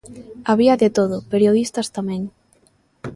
Había de todo, periodistas tamén.